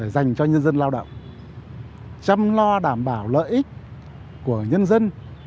dành cho nhân dân lao động chăm lo đảm bảo lợi ích của nhân dân